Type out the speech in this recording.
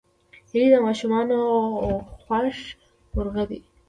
هیلۍ د ماشومانو خوښ مرغه ده